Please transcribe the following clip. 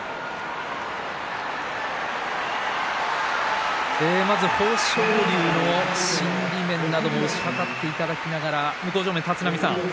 拍手豊昇龍の心理面なども推し量っていただきながら向正面の立浪さん